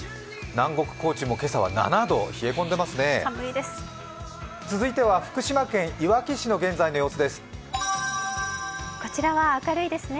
南国高知も今朝は７度、冷え込んでいますね。